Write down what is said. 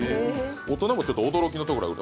大人もちょっと驚きのところがある。